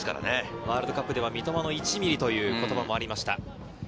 ワールドカップでは「三笘の１ミリ」という言葉もありました。